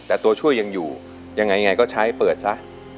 แต่ตัวช่วยยังอยู่ยังไงก็ใช้เปิดซะ